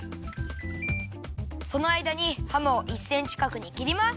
そのあいだにハムを１センチかくにきります。